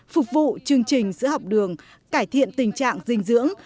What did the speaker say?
phục vụ chương trình sữa học đường cải thiện tình trạng dinh dưỡng